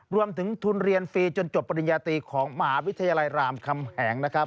รวมถึงทุนเรียนฟรีจนจบปริญญาตรีของมหาวิทยาลัยรามคำแหงนะครับ